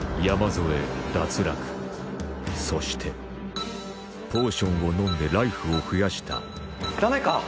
そしてポーションを飲んでライフを増やしたダメか？